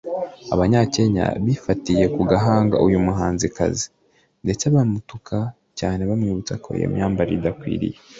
abanya Kenya bifatiye ku gahanga uyu muhanzikazi ndetse baramutuka cyane bamwibutsa ko iyo myambarire idakwiriye